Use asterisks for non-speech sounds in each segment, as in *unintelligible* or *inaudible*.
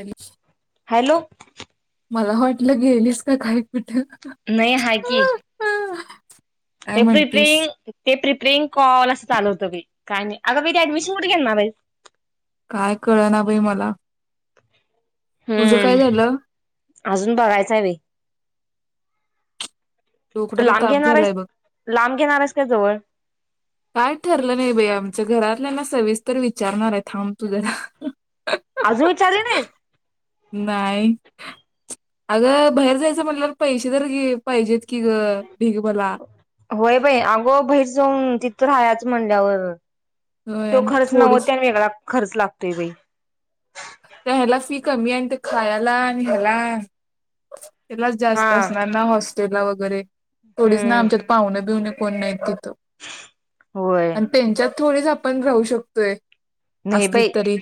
अरी हॅलो. मला हॉटलं गेलीस का काय नाही हाय की. काय एपरी म्हणतीस प्रंग तेप *unintelligible* कॉल असं चालू होत बाई, काय नाही. अग बाई ते ऍडमिशन कुठे घेणार हाइस. काय कळ ना बाई मला. तुझं काय हम्म झालं अजून बघायचंय बाई. कुठे डोक्याला लांब ताप झालाय घेणारेस. बघ लांब घेणारेस काय जवळ. काय ठरलं नाही बाई आमच्या घरातल्यांना सविस्तर विचारणारे थांब तू जरा. आजून विचारली नाहीस. नाही अगं बाहेर जायचं म्हल्यावर, पैसे तर पाहिजेत की ग. ढीग मला होय बाई, अगो बाहेर जाऊन तिथ राहायचं म्हणल्यावर होय तो आणि खर्च थोडीच नव्हता, आणि वेगळा खर्च लागतोय बाई. त्या ह्याला फी कमी आणि, ते खायला आणि ह्याला त्यालाच हा जास्त असणार ना, हॉस्टेलला वगैरे थोडीच ना हम्म आमच्यात पाहुणे, बिहणे, कोण नाही त होय अन त्यांच्यात थोडेच आपण राहू शकतोय. नाही असलीत बाई, तरी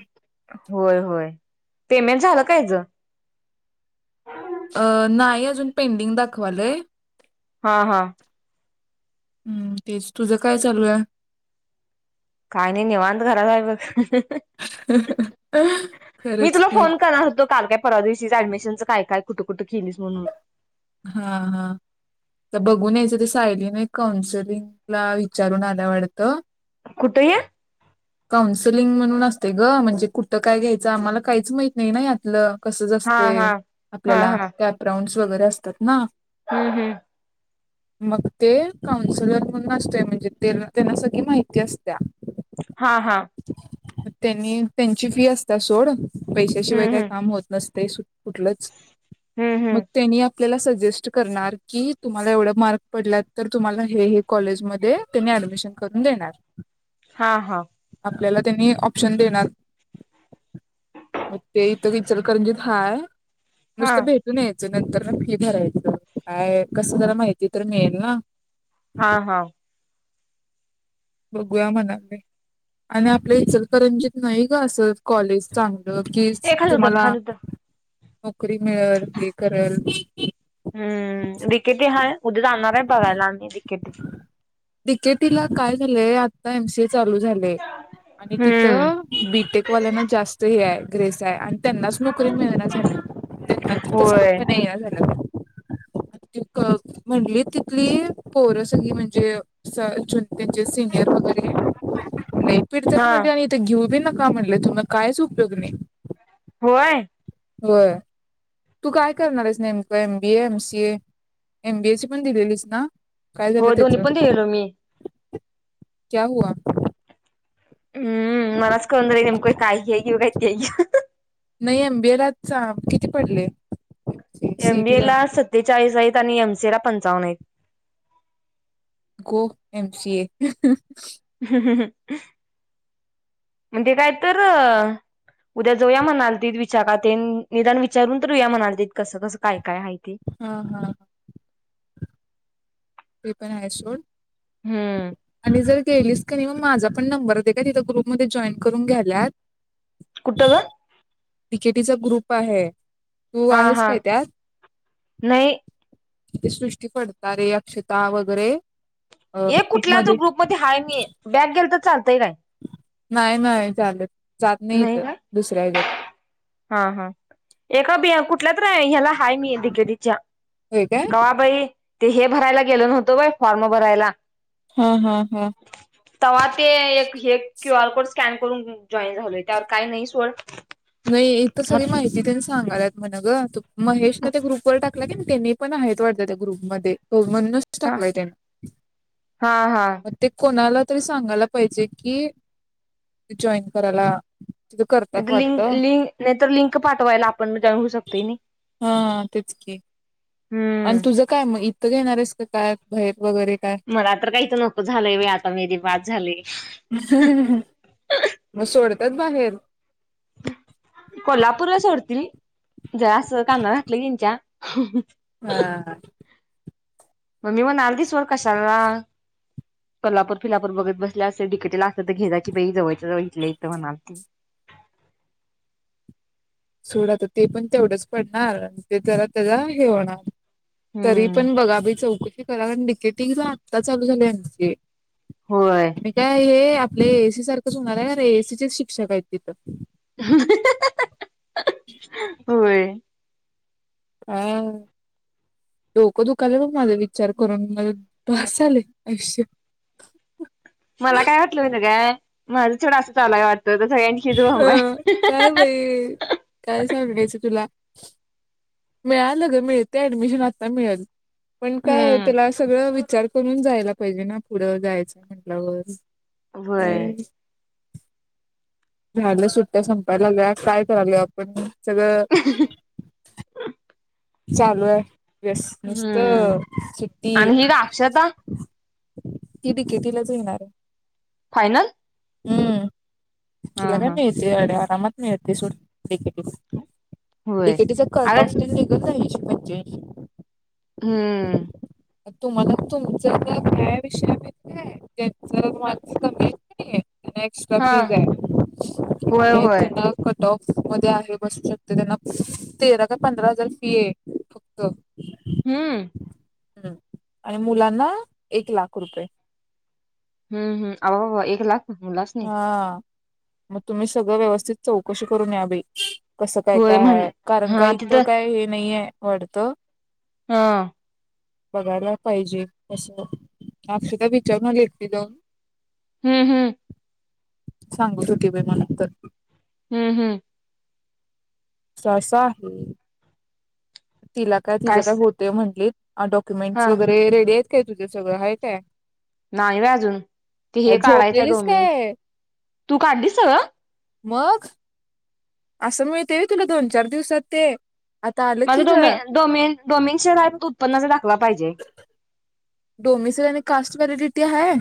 होय, होय, पेमेंट झालं यांचं. अ नाही अजून, पेंडिंग दाखवालंय. हा हम्म, तेच तुझं काय चालू आहे. काही नाही निवत घराबाहेर बघ *unintelligible* मी खरंच तुला की फोन करणार होतो, काल काय परवा दिवशी ऍडमिशनच काय, काय, कुठं, कुठं, केलीस म्हणून हा, हा तर बघून यायचं, ते सायलीने काौन्सलिंगला विचारून आल्या वाटतं. कुठं ये? काउन्सलिंग म्हणून असते ग, म्हणजे कुठं काय घ्यायचं, आम्हाला काहीच माहत नाही ना यातलं. असंच हा असतय, हा हा आपल्याला हा कॅपराऊंडस वगैरे असतात ना. हम्म, हम्म मग ते काउन्सिलर म्हणून असतय, म्हणजे त्यांना सगळी माहिती असत्या. हा, हा, त्यांनी त्यांची फी असता सोड, पैशाशिवाय हम्म काय हम्म काम होत नसते. कुठलंच, हम्म मग हम्म त्यांनी आपल्याला सजेस्ट करणार की, तुम्हाला एवढ मार्क पडला तर, तुम्हाला हे हे कॉलेजमध्ये त्यांनी ॲप ऍडमिशन करून देणार. हा, हा आपल्याला त्यांनी ऑप्शन देणार, मग ते इथं विचालकरंजी हाय हा नुसतं भेटून यायचं, नंतर ते ठरायचं, काय कस जरा माहिती तर मिळेल ना. हा, हा बघूया म्हणाले, आणि आपल्या इचलकरंजित नाही ग असं कॉलेज चांगलं. की ए खाली उतर तुम्हाला खाली उतर नोकरी मिळेल, हे करल हम्म डी के टी हाय उदया जाणार हाय बघायला आम्ही डी के टी त. डी के टी ला काय झालंय आता एम सी ए चालू झाले आणि हम्म तिथं बीटेकवाल्यांना जास्त हे आहे ग्रेस आहे आणि त्यांनाच नोकरी मिळेना झाल्या त्यांना तिथंच होय नोकरी नाहीया झाल्या. *inaudible* त म्हटली तिथली पोरं सगळी म्हणजे स त्यांचे सिनियर वगैरे लई पिडत्यात हा म्हणजे आणि इथे घेऊ बी नक का म्हणलं तुमी कायच उपयोग नाही. होय. होय तू काय करणार हाईस नेमकं M B A, M C A. M B A ची पण दिलेलीस ना? काय हो झालं दोन्ही त्याचं पण दीलेलो मी. *unintelligible* हम मलाच कळना झाले नेमकं मी काय घेऊ? हे घेऊ काय ते घेऊ? नाही एम बी ए ला चा किती पडले? एम बी ए ला सत्तेचाळीस आहेत आणि एम सी ए ला पंचावन्न आहेत. गो एम सी ए. *inaudible* *inaudible* म्हणजे काय तर उद्या जोया म्हणालतीत विचारा तेन निदान विचारून येऊया म्हणालतीत कसं-कसं काय काय आहे. हा, हा, ह. *inaudible* ते पण आहे सोड. हम्म. केलीस क नाही मग माझा पण नंबर दे काय तिथ ग्रुपमध्ये जॉईन करून घ्याल्यात. कुठ ग? डी के टी चा ग्रुप आहे. तू हा आहेस हा काय त्यात? नाही सृष्टी पडतारे, अक्षता वगैरे ये कुठल्या तर ग्रुपमध्ये ग्रुपमध्ये हाय मी बॅग गेलत नाही नाही चालंत जात नाही इथ दुसऱ्या हेच्यात *inaudible* हा हा एका बीया कुठल्या तर ह्याला हाय मी डी के टी च्या होय काय कवाबाई ते हे भरायला गेलो नव्हतं होय फॉर्म भरायला. हा हा हा *inaudible* तवा ते एक हे क्यू आर कोड स्कॅन करून जॉईन झालोय त्यावर काही नाही सोड. नाही इथ मग सगळी माहिती तेन सांगालात म्हण ग महेश ना ते ग्रुपवर टाक कला त्यांनी पण आहेत वाटत त्या ग्रुपम हो म्हणूनच तो हा टाकलाय त्यांनी हा हा *inaudible* मग ते कोणाला तरी सांगायला पाहिजे कि *inaudible* जॉईन करायला तिथ करतात म्हणे. लिंक लिंक नाही तर लिंक पाठवायला आपण जाऊ शकतोय नी. *inaudible* हा तेच की आणि हम्म तुझं काय मग इथं घेणार आहेस का काय बाहे मला तर काहीच नको झालंय बाई आता मेरी बाद झाली. *inaudible* मग सोडतात बाहेर? *inaudible* कोल्हापूरला सोडतील जरा असं कानावर घातलं यांच्या *inaudible* ह ह. मम्मी म्हनालती सोड कशाला? कोल्हापूर फिलापूर बघत बसल्या असे डी के टी ला असल तर घे जा की बाई जवळच्या जवळ इथल्या इथ म्हणालती. सोडा आता ते पण तेवढंच पडणार ते जरा त्याचा हे होणार. तरी हम्म पण बघा बाई चौकशी करा कारण डी के टी ला तर आत्ता चालू झालीये एम सी ए. होय *inaudible* आणि काय हे आपले ए एस सी सारखंच होणार आहे ए एस सीचे शिक्षक आहेत तिथं. होय हम्म डोकं दुकालाय बघ माझ विचार करून माझं भास झालयं आयुष्य मला काय वाटलं महितिहाय का माझं तेवडं असं चालू काय वाटत हं काय बाई काय सांगायचं तुला मिळालग मिळतंय ऍडमिशन आता मिळेल पण काय हम्म त्याला सगळं विचार करून जायला पाहिजे ना पुढं जायचं म्हटल्यावर होय काय झाल्या सुट्ट्या संपायला लागल्या काय करलोय आपण सगळं चालू आहे व्यस हम्म नुसतं सुट्टी आणि ही का अक्षता ती औषधेही ला येणार आहे फायनल हम्म हा तिला हा काय आरामात येडे मिळतय सोड डी के टी ला डी होय के टीचा कट अगं ऑफ निघल नाही ऐसी पंच्याऐशी हम्म तुम्हाला तुमच काय हाय विषय माहिती हाय त्यांच मार्क्स कमी त्यांना एक्स्ट्रा हा फी होय आहे होय टॉप्स मध्ये आहे बसू शकते त्यांना तेरा का पंधरा हजार फी आहे फक्त हम्म हम्म आणि मुलांना एक लाख रुपये हम्म हम्म अबाब एक लाख? मुलाच नाही हा मग तुम्ही सगळं व्यवस्थित चौकशी करून या बई कसं काय होय काय म्हण हाय कारण का हा इथं तिथं काय हे नाहीये वाटतं. हा. बघायला पाहिजे कसं अक्षदा विचारून एकटीला जाऊन हम्म हम्म. सांगत हो की बाई मला तर हम्म हम्म. ससा तिला काय तिझं काय होतंय म्हटली अ डॉक्युमेंटस हा वगैरे रेडी आहेत काय तुझं सगळं आहे काय नाही होय अजून ते की हे काय काढायचंय झोपलेलीस डोमीन काय तु काढलीस सगळं? मग? असं मिळतंय हवंय तुला दोन चार दिवसात ते आता आलं की माझं ग डोमे डोमेन डोमेंशन हाय फक्त उत्पन्नाचा दाखला पाहिजे. डोमिसो आणि कास्ट वॅलीडिटी हाय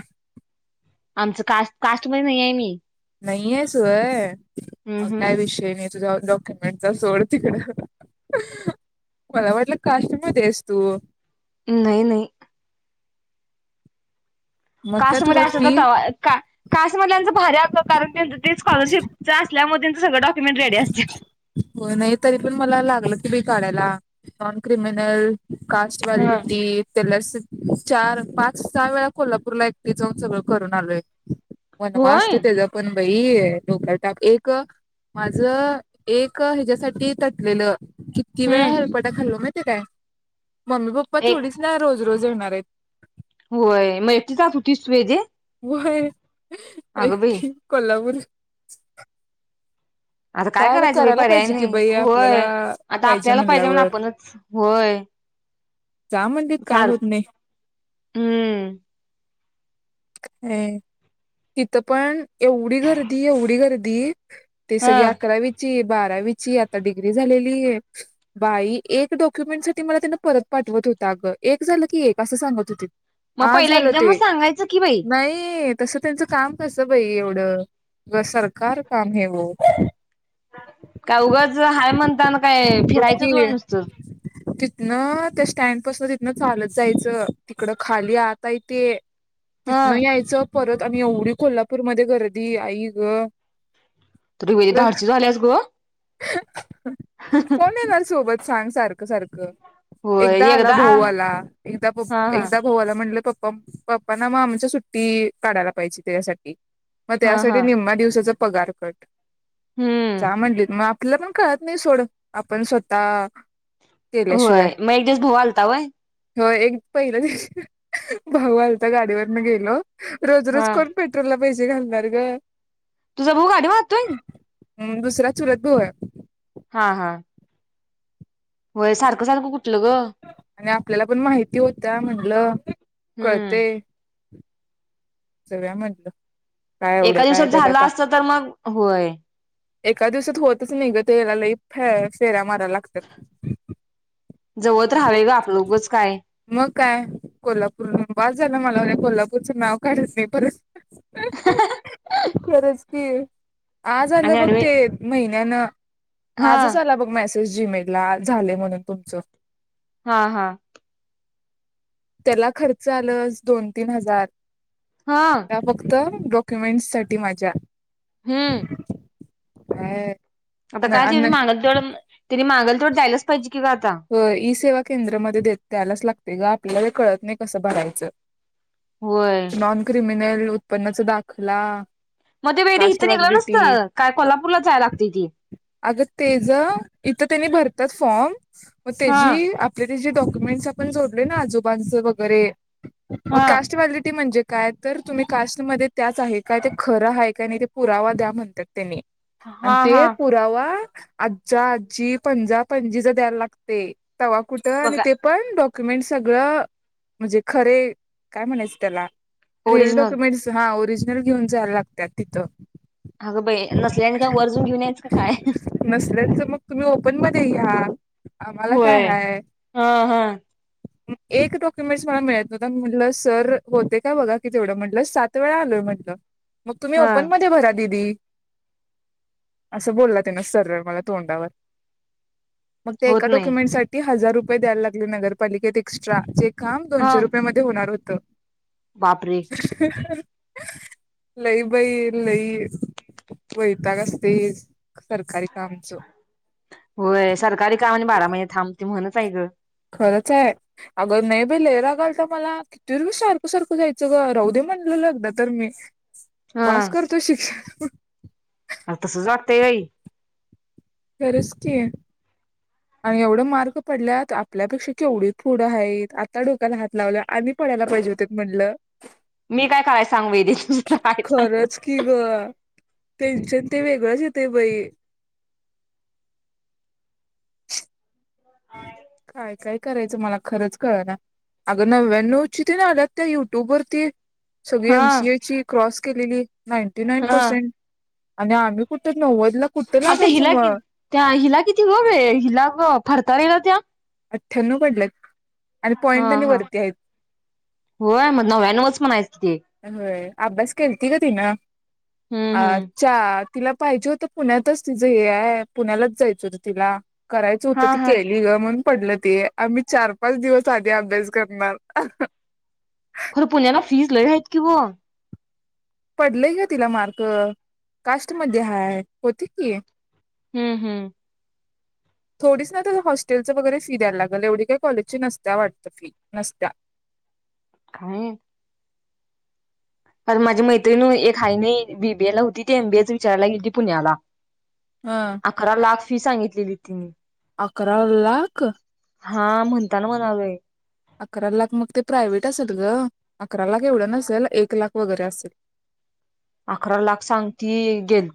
आमचं कास्ट कास्टमध्ये नाही आहे मी. नाही आहेस होय हम्म मग काय विषय नाही. तुझ्या डॉक्युमेंटचा सोड तिकडं हा हा हा मला वाटलं कास्ट मध्ये आहेस तु हम्म नाही नाही मग काय कास्टमध्ये तुला असतें तर फी कवा कास्ट मध्ये असल्याचं भारी कारण स्कॉलरशिप असल्यामुळे सगळं डॉक्युमेंट रेडी असत्यात. होय नाही तरी पण मला लागलं की बाई काढायला नॉन क्रिमनल कास्ट व्हॅलिडीटी तेला चार पाच सहा वेळा कोल्हापूरला एकटी जाऊन सगळं करून आलोय वनवा होय असते त्याचा पण बाई डोक्याला ताप एक माझं एक ह्याच्यासाठी तटलेलं किती वेळा हम्म हेलपटा खाल्लो माहित माहिती काय मम्मी पप्पा एक थोडीच ना रोज रोज येणारेत होय मग तु एकटी जात होतीस वेजे? होय एकटी कोल्हापूर आता काय न करायचं बाई करायला पर्याय पाहिजे कि नाही बाई आपल्याला होय आता पाहिजे आपल्याला म्हणून म्हणल्यावर आपणच होय जा म्हटलेत काय सार होत नाही हम्म ह तिथं पण एवढी गर्दी एवढी गर्दी ते हा. सगळी बारावीची आता डिग्री झालेली आहे बाई एक डॉक्युमेंट साठी मला पाठवत होता ग एक झालं की एक असं सांगत होते. मग आज पहिला झालं ते एकदमच सांगायचं की बाई नाही तसं त्यांचं काम कसं बाई एवढं सरकार काम हे ओ काय उगच हाय म्हणताना काय फिरायचंच होय नुसतं? न त्या स्टँड पासून तिथनं चालत जायचं तिकडं खाली आता आहे ते हा तिथनं यायचं परत आणि एवढी कोल्हापूरमध्ये गर्दी आई ग तर वेळी धाडसी झाल्यास ग कोण ये ना सोबत सांग सारखं सारखं होय एकदा आला भाऊ हा आला एकदा हा एकदा भाऊला म्हणटलं पप्पा प पप्पा ना मग आमच्या सुट्टी काढायला पाहिजे त्याच्यासाठी मग हा त्यासाठी हा निम्मा दिवसाचा पगार कट हम्म जा म्हणली मग आपल्या पण कळतं नाही सोड आपण स्वतः केल्याशिवाय होय मग एक दिवस भाऊ आलता होय? हो एक पहिल्या दिवशी भाऊ आलता गाडीवरन गेलो. रोज हा रोज कोण पेट्रोलला पैसेे घालणार ग तुझा भाऊ गाडी मारतोय हम्म दुसरा चूलत भाऊ आहे हा हा होय सारखं सारखं कुठलं ग आणि आपल्याला पण माहिती होत म्हटलं हम्म कळते सगळ्या म्हटलं काय एका एवढं दिवसात काय त्यात झालं आता असत तर मग होय एका दिवसात होतच नाही ग तेला लई फेऱ्या मारायला लागतात जवळ तर हवे ग आपलं उगच काय मग काय कोल्हापूर बा झालं मला वा कोल्हापूरचं नाव काडायच नाही परत खरंच की आज आलं आणि बघ ऍडमि ते महिन्यानं हा आजच आला बघ मॅसेज जीमे ला झा म्हणून तुमच हा हा त्याला खर्च आलं दोन तीन हजार हा का फक्त डॉक्युमेंट्स साठी माझ्या हम्म हा आता काय त मागलतेवड तनी मागलतेवड द्यायलाच पाहिजे की ग आता हो ई सेवा केंद्रामध्ये देत त्यायलाच लागते ग आपल्याला ते कळत नाही कसं भरायचं होय ल उत्पन्नाचा दाखला मग ते वेळे कास्ट इथं निेलं नसत व्हॅलिडिटी काय कोल्हापूरला जाय लागते ती तेच इथं त्यांनी भरतात फॉर्म मग हा त्याची आपली तची डॉक जोडलयना आजूबाजूवगैरे हा कॅस्ट व्हॅलेडीटी काय तर तुम्ही कास्टमध्ये त्याच आहे काय ते खरं आहे का नाही ते पुरावा द्या म्हणतात त्यांनी आणि हा हा ते पुरावा आजा आजी पंजा पंजी ज द्यायला लागतंय तवा कुठ मग ते पण डॉक्युमेंट सगळं म्हणजे खरे काय म्हणायचं त्याला रिअल ओरिजिनल डॉक्युमेंट्स ना ओरिजिनल घेऊन जायला लागतात तिथं अगं बाई नसल्याने काय वरजून घेऊन यायचं का काय नसल्याच मग तुम्ही ओपन मध्ये हे आम्हाला काय होय हाय? हा हा एक डॉक्युमेंट्स मला मिळत नव्हत म्हटलं? सर होते का बघा कि तेवढं म्हटलं सात वेळा आलोय म्हटलं. मग तुम्ही हा ओपन मध्ये भरा दीदी. असं बोलला त्यांन सरळ मला तोंडावर. मग त्या होत एका नाही डॉक्युमेंट साठी हजार रुपये द्यायला लागले नगरपालिकेत एक्स्ट्रा चेक. - काम हा दोनशे रुपयमधे होणार होत? बापरे लई बाई लई- वैताग असतय सरकारी कामच होय सरकारी कामा आणि बारा महिने थांब ति म्हणच आहे ग खरंच आहे? आग नाही बाई लई राग आलता मला किती सारखं सारखं जायचं ग राहू दे. म्हणून तर मी बास करतो शिक्षण. आ तस वाटतय बाई? खरच की आणि एवढं मार्क पडल्यात आपल्यापेक्षा केवढी पुढ आहेत आता डोक्याला हात लावल्यात आणि पाडायला पाहिजे होत म्हटलं मी काय करायला सांग वैदे तुझ काय सांग खरंच की ग टेंशन ते वेगळेच येतय बाई काय काय करायचं मला खरंच कळना अगं नव्याण्णवची ते ना आल्यात त्या युट्यूब वरती सगळी हा एमसीए ची क्रॉस केलेली. नाईंटी नाईन हा पर्सेंट आणि आम्ही कुठे नव्वद ला कुठं आता लागायचं हिला कि मग त्या हिला किती ग हिला फरताारेला त्या अठ्ठ्याण्णव पडल्यात आणि हा.. पॉईंट आणि हा.. वरती आहेत होय, मग नव्यानवच म्हणायचंत ते होय. अभ्यास केलती गं तिनं हम्म आ हम्म चा तिला पाहिजे होतं पुण्यातच तिचं हे आहे, पुण्यालाच जायचं होतं तिला करायच होतं हा ती हा केली गं म्हण पडलं ते. आम्ही चार-पाच दिवस आधी अभ्यास करणार खरं, पुण्याला फिज लई आहेत की गं. पडलयं गं तिला मार्क, कास्ट मध्ये हाय होती की हम्म.. हम्म.. थोडीच ना त्याला हॉस्टेलचं वगैरे फी द्यायला लागेल, एवढी काही कॉलेजची नसत्या वाटतं फी नसत्या *inaudible* काय? काल माझी मैत्रिण ओ एक हाय नी बीबीए ला होती, ती एमबीएच विचारायला गेलीती पुण्याला हं. अकरा लाख फी सांगितलेली तिने अकरा लाख? हा म्हणताना म्हणालोय अकरा लाख, मग ते प्रायव्हेट असेल गं अकरा लाख एवढं नसेल, एक लाख वगैरे असेल अकरा लाख सांगती, गेलती.